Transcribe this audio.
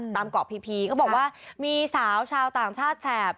ตามเกาะพีก็บอกว่ามีสาวชาวต่างชาติแสบ